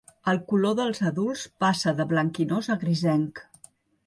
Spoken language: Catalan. El color dels adults passa de blanquinós a grisenc.